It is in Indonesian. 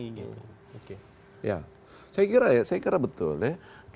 ya saya kira ya saya kira betul ya